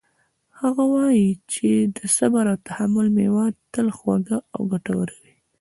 هغه وایي چې د صبر او تحمل میوه تل خوږه او ګټوره وي